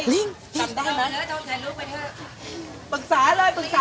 ปรึกษาเลยปรึกษาเลย